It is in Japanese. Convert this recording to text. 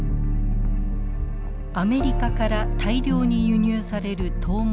アメリカから大量に輸入されるトウモロコシ。